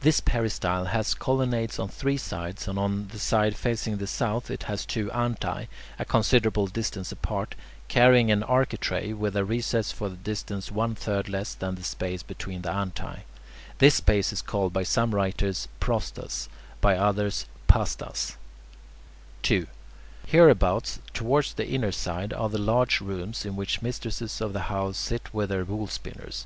This peristyle has colonnades on three sides, and on the side facing the south it has two antae, a considerable distance apart, carrying an architrave, with a recess for a distance one third less than the space between the antae. This space is called by some writers "prostas," by others "pastas." [Illustration: PLAN OF VITRUVIUS' GREEK HOUSE ACCORDING TO BECKER] 2. Hereabouts, towards the inner side, are the large rooms in which mistresses of houses sit with their wool spinners.